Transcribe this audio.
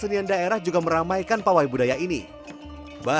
terlibat di rangsolog baraleg gadang